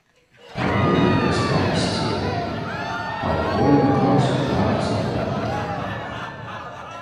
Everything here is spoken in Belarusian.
Павольна вырасталі сцены, павольна клаўся дах з гонты.